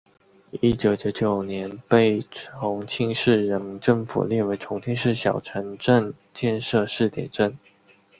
一九九九年被重庆市人民政府列为重庆市小城镇建设试点镇。